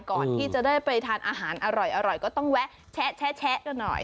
ก่อนที่จะได้ไปทานอาหารอร่อยก็ต้องแวะแชะกันหน่อย